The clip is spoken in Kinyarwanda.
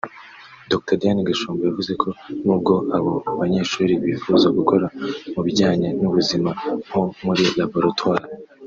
Dr Diane Gashumba yavuze ko nubwo abo banyeshuri bifuza gukora mu bijyanye n’ubuzima nko muri Laboratwari